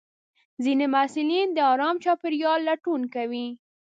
ځینې محصلین د ارام چاپېریال لټون کوي.